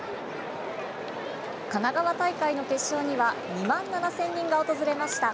神奈川大会の決勝には２万７０００人が訪れました。